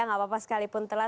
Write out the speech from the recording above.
nggak apa apa sekalipun telat